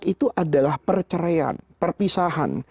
itu adalah perceraian perpisahan